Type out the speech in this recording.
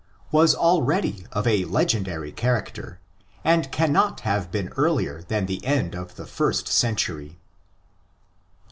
was already of a legendary character, and cannot have been earlier than the end of the first century.